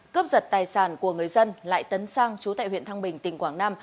cớp giật tài sản của người dân lại tấn sang trú tại huyện thăng bình tỉnh quảng nam